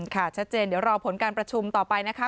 ค่ะชัดเจนเดี๋ยวรอผลการประชุมต่อไปนะคะ